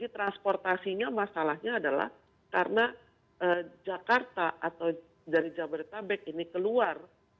transportasinya masalahnya adalah karena jakarta atau dari jabodetabek ini keluar